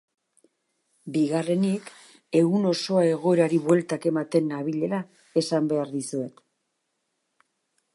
Bigarrenik, egun osoa egoerari bueltak ematen nabilela esan behar dizuet.